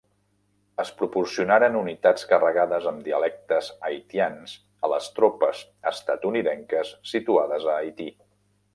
Es proporcionaren unitats carregades amb dialectes haitians a les tropes estatunidenques situades a Haití.